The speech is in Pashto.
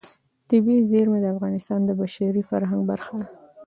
طبیعي زیرمې د افغانستان د بشري فرهنګ برخه ده.